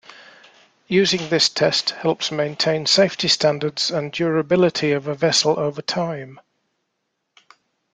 Using this test helps maintain safety standards and durability of a vessel over time.